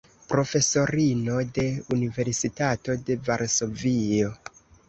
Profesorino de Universitato de Varsovio.